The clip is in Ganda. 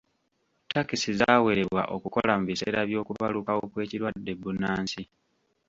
Ttakisi zaawerebwa okukola mu biseera by'okubalukawo kw'ekirwadde bbunansi.